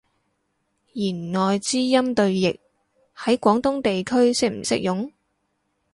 弦外之音對譯，喺廣東地區適唔適用？